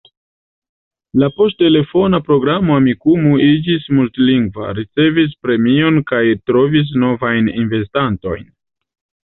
La poŝtelefona programo Amikumu iĝis multlingva, ricevis premion kaj trovis novajn investantojn.